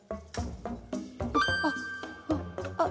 あっあっあっあっ。